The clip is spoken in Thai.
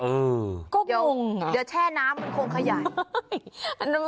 เดี๋ยวแช่น้ำมันคงขยาย